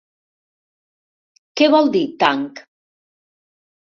Què vol dir tanc?